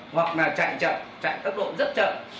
hoặc là chạy chậm chạy tốc độ rất chậm